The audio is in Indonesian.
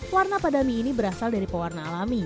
warna pada mie ini berasal dari pewarna alami